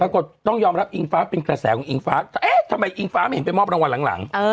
ก็ต้องยอมรับอิงฟ้าเป็นกระแสของอิงฟ้าเอ๊ะทำไมอิงฟ้าไม่เห็นไปมอบรางวัลหลัง